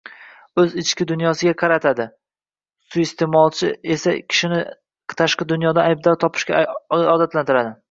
o‘z ichki dunyosiga qaratadi, suiiste’molchi esa kishini tashqi dunyodan aybdor topishga odatlantiradi